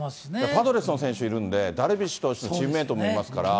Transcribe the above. パドレスの選手いるんで、ダルビッシュ投手のチームメートもいますから。